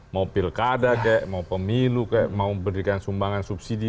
mau pilkada kek mau pemilu kayak mau berikan sumbangan subsidi